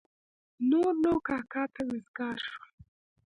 نور نو کاکا ته وزګار شوم.